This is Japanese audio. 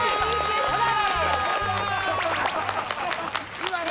今ね